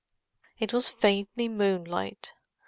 It was faintly moonlight.